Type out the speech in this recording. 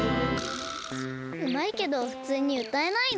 うまいけどふつうにうたえないの？